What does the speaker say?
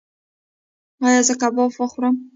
ایا زه کباب وخورم؟